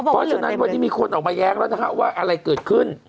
เพราะฉะนั้นวันนี้มีคนออกมาแย้งแล้วนะฮะว่าอะไรเกิดขึ้น